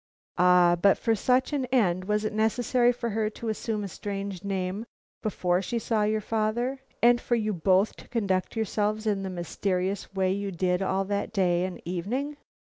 "Ah, but for such an end was it necessary for her to assume a strange name before she saw your father, and for you both to conduct yourselves in the mysterious way you did all that day and evening?"